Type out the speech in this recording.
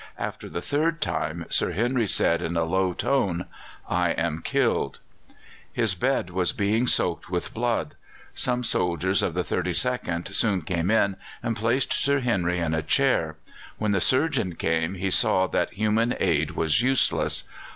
After the third time Sir Henry said in a low tone: "I am killed." His bed was being soaked with blood. Some soldiers of the 32nd soon came in and placed Sir Henry in a chair. When the surgeon came he saw that human aid was useless.